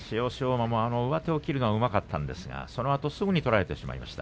馬も上手を切るのがうまかったんですが、そのあとすぐに取られてしまいました。